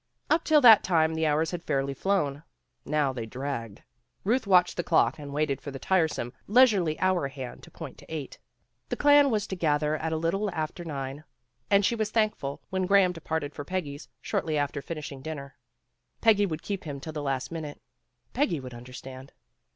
Up till that time the hours had fairly flown. Now they dragged. Euth watched the clock and waited for the tiresome, leisurely hour hand to point to eight. The clan was to gather at a little after nine, and she was thankful when Graham departed for Peggy's shortly after finishing dinner. Peggy would keep him till the last minute. Peggy would understand.